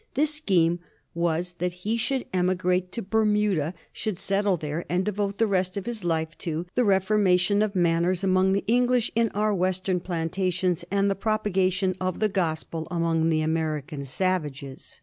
This scheme was that he should emigrate to Ber muda, should settle there, and devote the rest of his life to " the reformation of manners among the English in our Western plantations, and the propagation of the Gospel among the American savages."